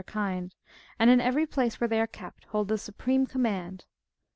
497 kind, and, in every place where they are kept, hold the supreme command.